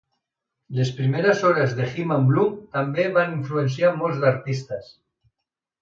Les primeres obres de Hyman Bloom també van influenciar molts d'artistes.